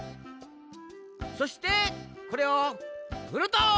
そしてこれをふると！